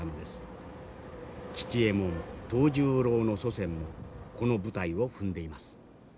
吉右衛門藤十郎の祖先もこの舞台を踏んでいます。